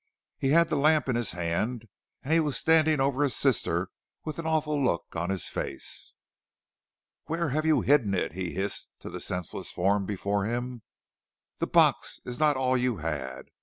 He had the lamp in his hand, and he was standing over his sister with an awful look on his face. "'Where have you hidden it?' he hissed to the senseless form before him. 'That box is not all you had.